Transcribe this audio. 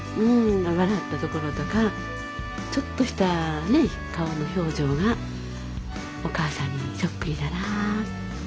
笑ったところとかちょっとしたね顔の表情がお母さんにそっくりだなぁ。